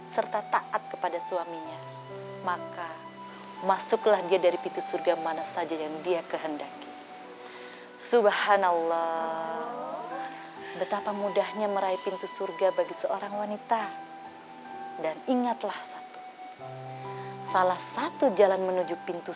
sampai jumpa di video selanjutnya